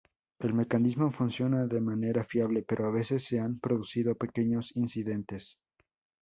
El mecanismo funciona de manera fiable, pero a veces se han producido pequeños incidentes.